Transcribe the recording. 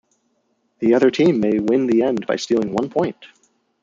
The other team may win the end by stealing one point.